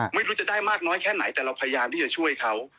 ไม่รู้จะได้มากน้อยแค่ไหนแต่เราพยายามที่จะช่วยเขา